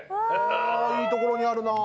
いいところにあるなぁ。